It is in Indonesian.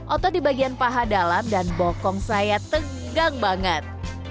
otot di bagian paha dalam dan bokong saya tegang banget